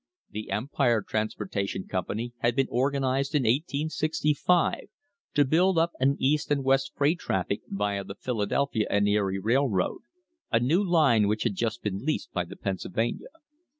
The Empire Transportation Com pany had been organised in 1865 t0 build up an east and west freight traffic via the Philadelphia and Erie Railroad, a new line which had just been leased by the Pennsylvania.